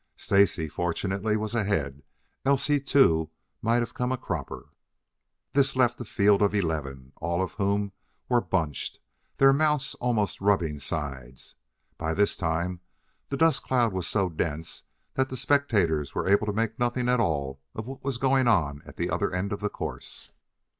Stacy, fortunately was ahead, else he too might have come a cropper. This left a field of eleven, all of whom were bunched, their mounts almost rubbing sides. By this time the dust cloud was so dense that the spectators were able to make nothing at all of what was going on at the other end of the course.